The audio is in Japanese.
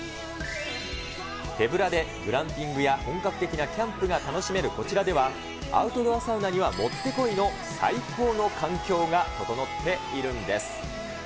手ぶらでグランピングや本格的なキャンプが楽しめるこちらでは、アウトドアサウナにはもってこいの最高の環境が整っているんです。